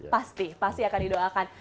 pasti pasti akan didoakan